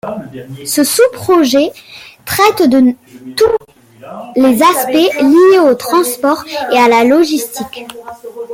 Ce sous-projet traite de tous les aspects liés au transport et à la logistique.